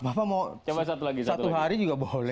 bapak mau coba satu hari juga boleh